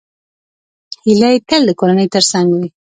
هیلۍ تل د کورنۍ تر څنګ وي